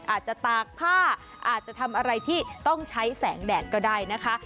ตากผ้าอาจจะทำอะไรที่ต้องใช้แสงแดดก็ได้นะคะ